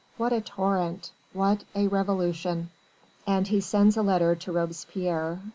What a torrent! What a revolution!" And he sends a letter to Robespierre.